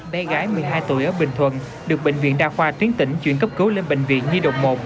bé gái một mươi hai tuổi ở bình thuận được bệnh viện đa khoa tuyến tỉnh chuyển cấp cứu lên bệnh viện nhi đồng một